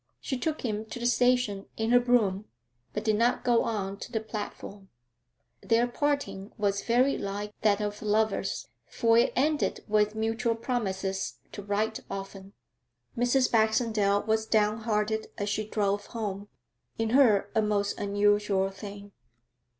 She took him to the station in her brougham, but did not go on to the platform. Their parting was very like that of lovers, for it ended with mutual promises to 'write often.' Mrs. Baxendale was down hearted as she drove home in her a most unusual thing.